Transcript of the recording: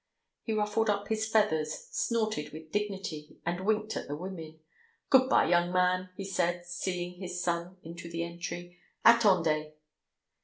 He ruffled up his feathers, snorted with dignity, and winked at the women. "Good bye, young man," he said, seeing his son into the entry. "Attendez."